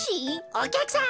おきゃくさん